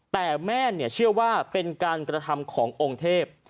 แต่แม่เชื่อว่าเป็นการกระทำขององค์เทพ